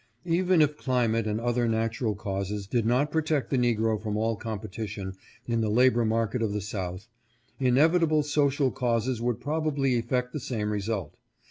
"Even if climate and other natural causes did not protect the negro from all competition in the labor market of the South, inevitable so cial causes would probably effect the same result.